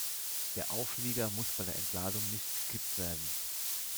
Der Auflieger muss bei der Entladung nicht gekippt werden.